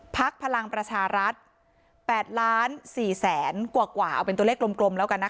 พักพลังประชารัฐแปดล้านสี่แสนกว่ากว่าเอาเป็นตัวเลขกลมกลมแล้วกันนะคะ